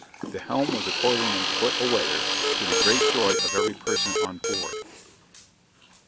The helm was accordingly put a weather, to the great joy of every person on board.